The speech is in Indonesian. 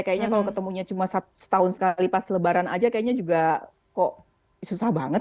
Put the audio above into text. kayaknya kalau ketemunya cuma setahun sekali pas lebaran aja kayaknya juga kok susah banget